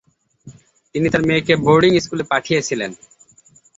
তিনি তার মেয়েকে বোর্ডিং স্কুলে পাঠিয়েছিলেন।